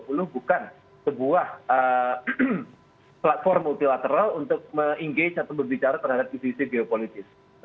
kita harus memiliki sebuah platform multilateral untuk menggabungkan atau berbicara terhadap institusi geopolitik